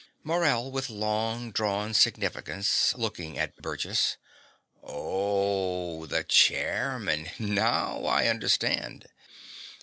MORELL (with long drawn significance, looking at Burgess). O o o h, the chairman. NOW I understand.